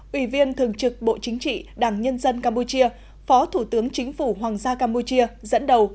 ủy viên thường trực bộ chính trị đảng nhân dân campuchia phó thủ tướng chính phủ hoàng gia campuchia dẫn đầu